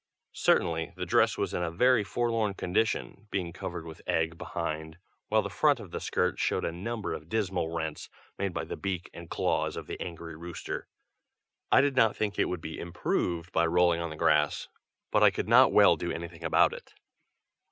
Certainly, the dress was in a very forlorn condition, being covered with egg behind, while the front of the skirt showed a number of dismal rents made by the beak and claws of the angry rooster. I did not think it would be improved by rolling on the grass, but I could not well do anything about it.